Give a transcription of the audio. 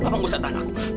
papa nggak usah tahan aku